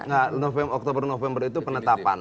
nah oktober november itu penetapan